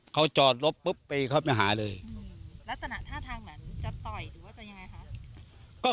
เขาจอดรถปุ๊บไปเข้าไปหาเลยแล้วสถานท่าทางแบบนั้นจะต่อยหรือว่าจะยังไงครับ